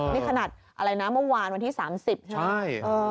นี่ขนาดเมื่อวานวันที่๓๐